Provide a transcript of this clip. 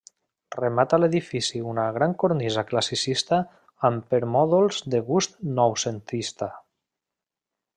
Remata l'edifici una gran cornisa classicista amb permòdols de gust noucentista.